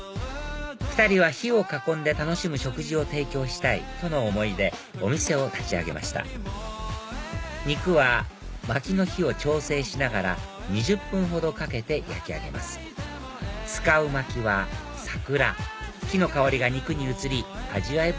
２人は「火を囲んで楽しむ食事を提供したい」との思いでお店を立ち上げました肉は薪の火を調整しながら２０分ほどかけて焼き上げます使う薪は桜木の香りが肉に移り味わい